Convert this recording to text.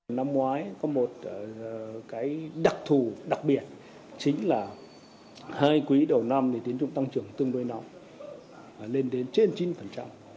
năm ngoái có một đặc thù đặc biệt chính là hai quý đầu năm tính dụng tăng trưởng tương đối nóng lên đến trên chín